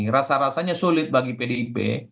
rasa rasanya sulit bagi pdip